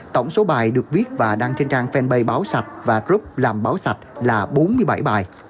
tổng số bài được viết và đăng trên trang fanpage báo sạch và group làm báo sạch là bốn mươi bảy bài